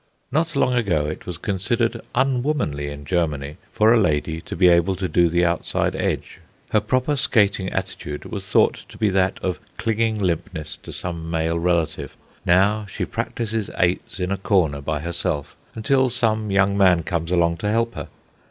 Not long ago it was considered unwomanly in Germany for a lady to be able to do the outside edge. Her proper skating attitude was thought to be that of clinging limpness to some male relative. Now she practises eights in a corner by herself, until some young man comes along to help her.